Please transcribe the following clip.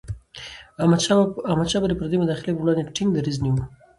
احمدشاه بابا به د پردیو مداخلي پر وړاندې ټينګ دریځ نیوه.